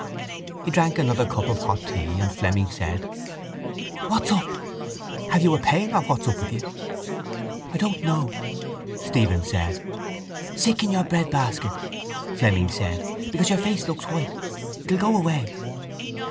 He drank another cup of hot tea and Fleming said: —What's up? Have you a pain or what's up with you? —I don't know, Stephen said. —Sick in your breadbasket, Fleming said, because your face looks white. It will go away.